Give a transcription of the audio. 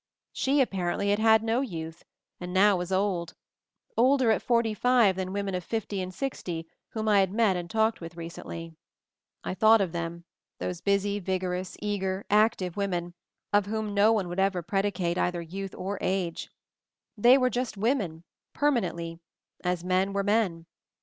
She apparently had had no youth, and now was old — older at forty five than women of MOVING THE MOUNTAIN 289 fifty and sixty whom I had met and talked with recently. I thought of them, those busy, vigorous, eager, active women, of whom no one would ever predicate either youth or age ; they were just women, permanently, as men were men.